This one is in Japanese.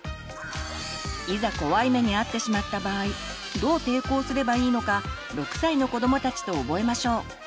いざ怖い目にあってしまった場合どう抵抗すればいいのか６歳の子どもたちと覚えましょう。